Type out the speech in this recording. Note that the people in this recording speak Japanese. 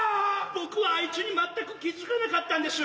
僕はあいちゅにまったく気付かなかったんでしゅ。